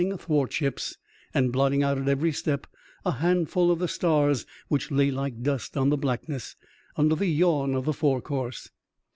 athwart ships, and blotting out at every step a handful of the stars which lay like dust on the blackness, under the yawn of the forecourse.